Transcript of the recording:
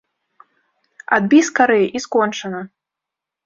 Адбі скарэй, і скончана.